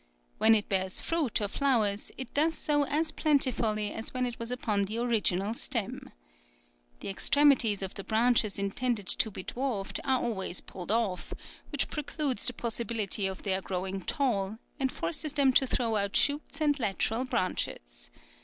When it bears fruit or flowers it does so as plentifully as when it was upon the original stem. The extremities of the branches intended to be dwarfed are always pulled off, which precludes the possibility of their growing tall, and forces them to throw out shoots and lateral branches.